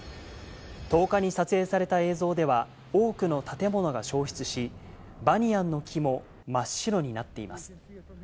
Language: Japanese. １０日に撮影された映像では多くの建物が焼失し、バニヤンの木も真っ白になっています。